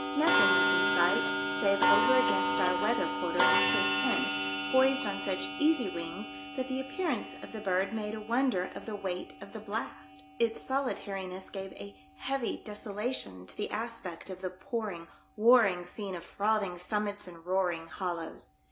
Nothing was in sight save over against our weatlier quarter a Cape hen, poised on such easy wings that the appear ance of the bird made a wonder of the weight of the blast ; its solitariness gave a heavy desolation to the aspect of the pouring, war ring scene of frothing summits and roaring hollows.